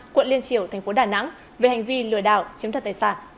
quận liên triều tp đà nẵng về hành vi lừa đảo